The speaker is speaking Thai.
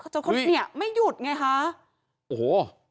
จนเขาเนี่ยไม่หยุดไงคะโอ้โห